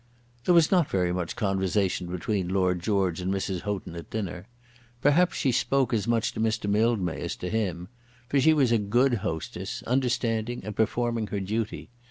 There was not very much conversation between Lord George and Mrs. Houghton at dinner. Perhaps she spoke as much to Mr. Mildmay as to him; for she was a good hostess, understanding and performing her duty.